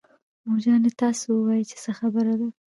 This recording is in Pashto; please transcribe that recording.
مور جانې تاسو ووايئ چې څه خبره ده.